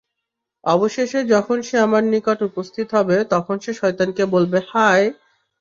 অবশেষে যখন সে আমার নিকট উপস্থিত হবে, তখন সে শয়তানকে বলবে, হায়!